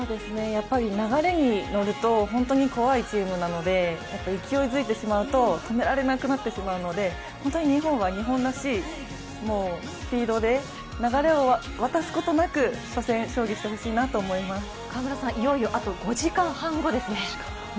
流れに乗るとホントに怖いチームなので勢いづいてしまうと止められなくなってしまうので、日本は日本らしいスピードで流れを渡すことなく初戦、勝利してほしいなと思います川村さん、いよいよあと５時間半後ですね。